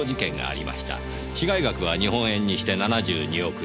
被害額は日本円にして７２億円。